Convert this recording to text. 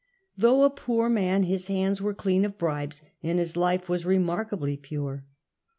Though a poor man, his hands were clean of bribes, and his life was remarkably pure.